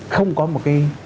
không có một cái